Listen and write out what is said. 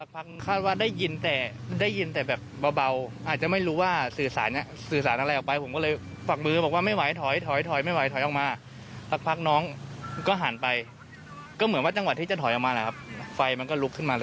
มันเกินสุดจะรับได้ครับเพื่องของการร่อยจะรับได้ครับ